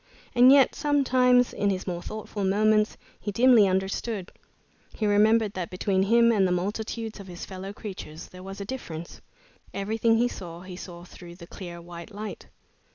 And yet some times, in his more thoughtful moments, he dimly understood. He remembered that between him and the multitudes of his fellow creatures there was a difference. Everything he saw, he saw through the clear white light.